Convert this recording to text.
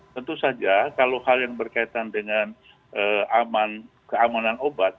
tentu saja kalau hal yang berkaitan dengan keamanan obat